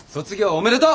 おめでとう！